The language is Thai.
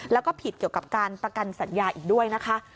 แล้วก็ผิดเกี่ยวกับการประกันสัญญาอีกด้วยนะคะ